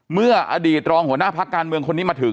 เมื่ออดีตรองหัวหน้าพักการเมืองคนนี้มาถึง